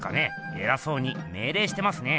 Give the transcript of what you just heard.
えらそうにめいれいしてますね。